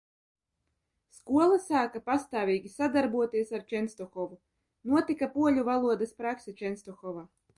Skola sāka pastāvīgi sadarboties ar Čenstohovu, notika poļu valodas prakse Čenstohovā.